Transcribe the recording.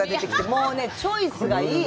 もうね、チョイスがいい！